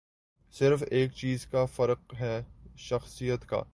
صرف ایک چیز کا فرق ہے، شخصیت کا۔